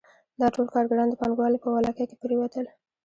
دا ټول کارګران د پانګوالو په ولکه کې پرېوتل